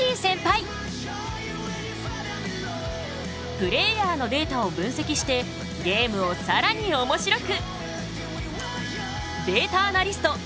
プレーヤーのデータを分析してゲームをさらにおもしろく！